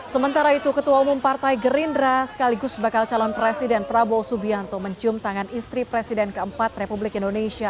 sementara itu ketua umum partai gerindra sekaligus bakal calon presiden prabowo subianto mencium tangan istri presiden keempat republik indonesia